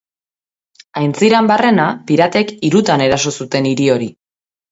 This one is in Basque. Aintziran barrena, piratek hirutan eraso zuten hiri hori.